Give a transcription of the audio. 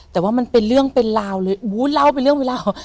แต่ว่ามันเป็นเรื่องเป็นราวเลยอู้เล่าเป็นเรื่องเป็นราว